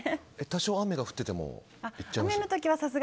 多少、雨が降っていても行っちゃいます？